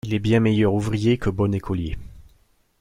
Il est bien meilleur ouvrier que bon écolier.